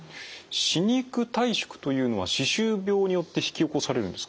歯肉退縮というのは歯周病によって引き起こされるんですか？